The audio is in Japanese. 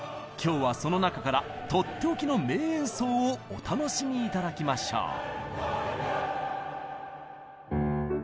今日はその中からとっておきの名演奏をお楽しみ頂きましょう。